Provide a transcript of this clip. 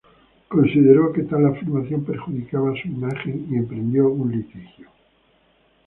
Ella consideró que tal afirmación perjudicaba su imagen y emprendió un litigio.